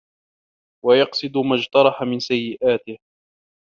وَيَقْصِدَ مَا اجْتَرَحَ مِنْ سَيِّئَاتِهِ